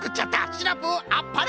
シナプーあっぱれ！